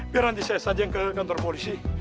biar nanti saya saja yang ke kantor polisi